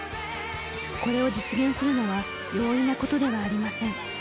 これを実現するのは容易なことではありません。